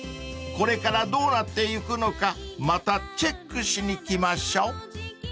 ［これからどうなってゆくのかまたチェックしに来ましょう］